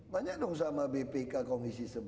banyak dong sama bpk komisi sebelas